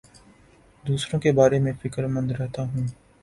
دوسروں کے بارے میں فکر مند رہتا ہوں